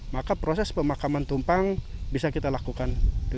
maka proses pemakaman tumpang bisa kita lakukan